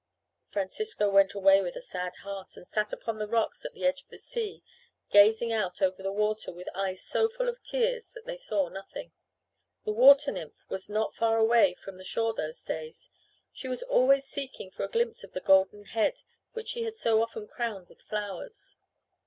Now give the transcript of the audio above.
Francisco went away with a sad heart and sat upon the rocks at the edge of the sea, gazing out over the water with eyes so full of tears that they saw nothing. The water nymph was not far away from the shore those days. She was always seeking for a glimpse of the golden head which she had so often crowned with flowers.